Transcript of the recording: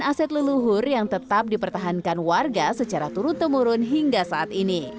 aset leluhur yang tetap dipertahankan warga secara turun temurun hingga saat ini